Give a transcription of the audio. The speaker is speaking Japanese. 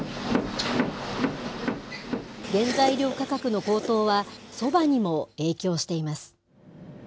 原材料価格の高騰は、そばにも影響しています。